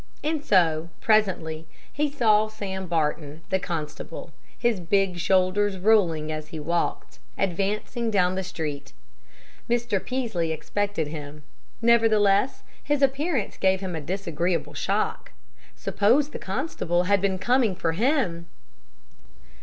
And so, presently, he saw Sam Barton, the constable, his big shoulders rolling as he walked, advancing down the street. Mr. Peaslee expected him; nevertheless his appearance gave him a disagreeable shock. Suppose the constable had been coming for him!